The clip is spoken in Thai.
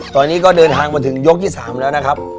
ตอนนี้ก็เดินทางมาถึงยกที่๓แล้วนะครับ